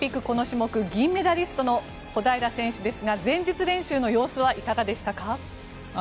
この種目銀メダリストの小平選手ですが前日練習の様子はいかがでしたか？